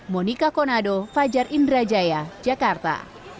monika konado fajar indrajaya jakarta